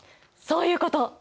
そういうこと！